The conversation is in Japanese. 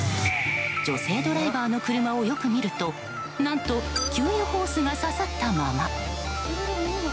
女性ドライバーの車をよく見ると何と、給油ホースが差さったまま。